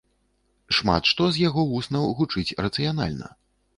Шмат што з яго вуснаў гучыць рацыянальна.